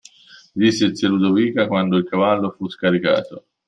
Disse zia Ludovica, quando il cavallo fu scaricato